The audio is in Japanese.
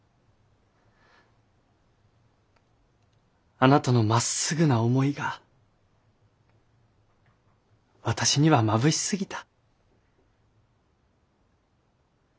あなたのまっすぐな思いが私にはまぶしすぎた。